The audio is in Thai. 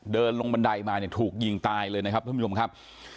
เดินลงบันไดมาเนี่ยถูกยิงตายเลยนะครับท่านผู้ชมครับ